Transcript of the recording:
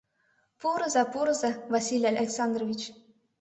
— Пурыза, пурыза, Василий Александрович.